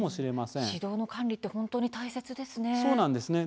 私道の管理って本当に大切ですね。